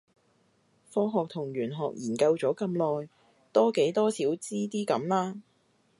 科學同玄學研究咗咁耐，多幾多少知啲咁啦